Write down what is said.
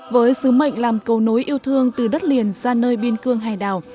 với sứ mệnh làm cầu nối yêu thương từ đất liền ra nơi biên cương hải đảo